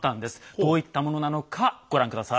どういったものなのかご覧下さい。